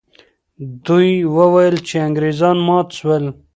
دوی وویل چې انګریزان مات سول.